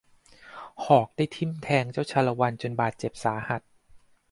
หอกได้ทิ่มแทงเจ้าชาละวันจนบาดเจ็บสาหัส